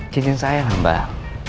cincin saya lah mbak